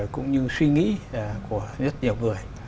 cũng như suy nghĩ của rất nhiều người